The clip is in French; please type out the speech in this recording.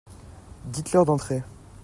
Dites-leurs d'entrer.